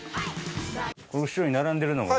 この後ろに並んでるのが。